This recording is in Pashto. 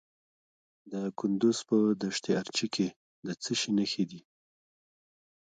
د کندز په دشت ارچي کې د څه شي نښې دي؟